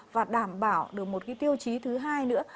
và đảm bảo được một cái tiêu chí thứ hai nữa